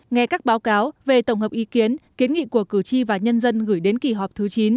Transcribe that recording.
nghe các báo cáo về tổng hợp ý kiến kiến nghị của cử tri và nhân dân gửi đến kỳ họp thứ chín